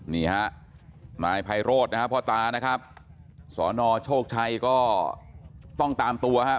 นี่ฮะนายไพโรธนะครับพ่อตานะครับสนโชคชัยก็ต้องตามตัวครับ